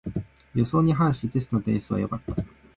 予想に反してテストの点数は良かった